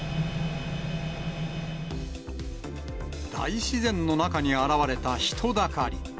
大自然の中に現れた人だかり。